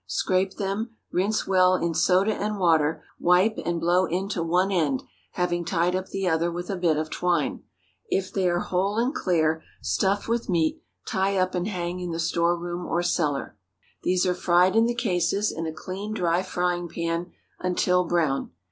Scrape them, rinse well in soda and water, wipe, and blow into one end, having tied up the other with a bit of twine. If they are whole and clear, stuff with the meat; tie up and hang in the store room or cellar. These are fried in the cases, in a clean, dry frying pan, until brown.